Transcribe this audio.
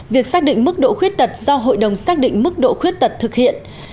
việc xác định mức độ khuyết tật do hội đồng xác định mức độ khuyết tật thực hiện